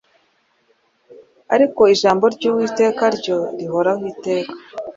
ariko ijambo ry’uwiteka ryo rihoraho iteka.